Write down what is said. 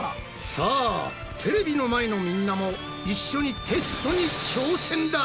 さあテレビの前のみんなも一緒にテストに挑戦だ。